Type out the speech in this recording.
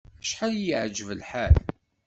Acḥal i y-iεǧeb lḥal!